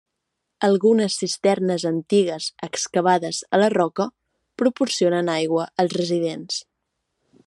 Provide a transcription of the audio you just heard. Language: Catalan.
Algunes cisternes antigues excavades a la roca proporcionen aigua als residents.